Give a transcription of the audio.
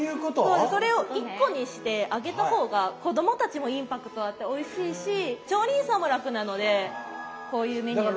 そうそれを１個にして揚げた方が子供たちもインパクトあっておいしいし調理員さんも楽なのでこういうメニューになります。